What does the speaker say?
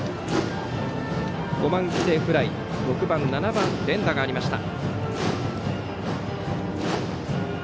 ５番、犠牲フライ６番、７番、連打がありました。